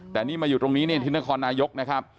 แต่นี่มาอยู่ตรงนี้ที่นครนายก